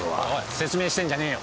説明してんじゃねえよ。